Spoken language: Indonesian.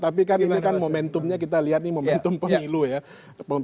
tapi kan ini kan momentumnya kita lihat nih momentum pemilu ya